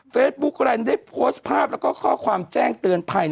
บุ๊คแรนด์ได้โพสต์ภาพแล้วก็ข้อความแจ้งเตือนภัย